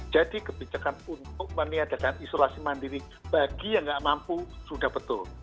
jadi kebijakan untuk meniadakan isolasi mandiri bagi yang tidak mampu sudah betul